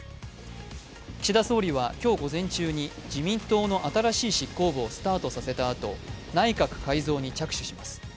岸田総理は今日午前中に自民党の新しい執行部をスタートさせたあと内閣改造に着手します。